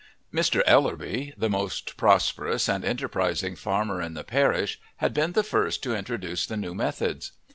Mr. Ellerby, the most prosperous and enterprising farmer in the parish, had been the first to introduce the new methods.